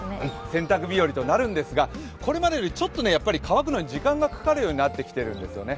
洗濯日和となるんですがこれまでより乾くのに時間がかかるようになっていますね。